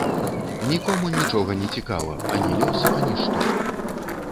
Нікому нічога не цікава, ані лёс, ані што.